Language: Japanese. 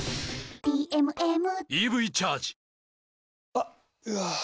あっ、うわー。